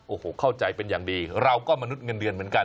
โอ้โหเข้าใจเป็นอย่างดีเราก็มนุษย์เงินเดือนเหมือนกัน